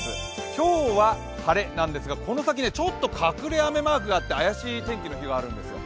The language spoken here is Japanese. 今日は晴れなんですがこの先ちょっと隠れ雨マークがあって怪しい天気の日があるんですよ。